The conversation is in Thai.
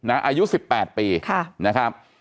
อายุ๑๘ปีนะครับ